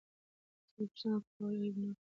زه پوښتنه کول عیب نه ګڼم.